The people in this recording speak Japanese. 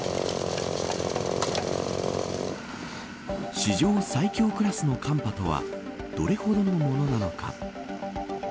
史上最強クラスの寒波とはどれほどのものなのか。